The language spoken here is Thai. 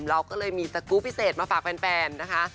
เราก็เลยมีตะกูล์พิเศษมาฝากแปลนนะคะ